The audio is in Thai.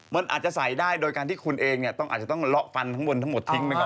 มันอาจจะใส่ได้โดยการที่คุณเองเนี่ยอาจจะต้องเลาะฟันข้างบนทั้งหมดทิ้งไปก่อน